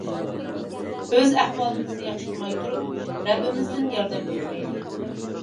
ئۆز ئەھۋالىمىزنى ياخشىلىماي تۇرۇپ رەببىمىزدىن ياردەم كۈتمەيلى.